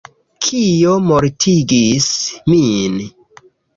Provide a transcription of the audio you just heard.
Kio mortigis min?